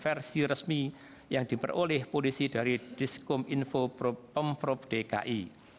sesuai dengan video yang versi resmi yang diperoleh polisi dari diskom info pemprov dki